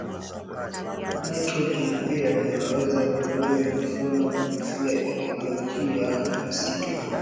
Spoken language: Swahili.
nitrojeni pia vinaweza kudhuru mifumo ya ikolojia ya misitu na